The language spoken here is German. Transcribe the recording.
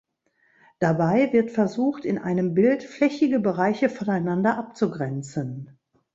Dabei wird versucht, in einem Bild flächige Bereiche voneinander abzugrenzen.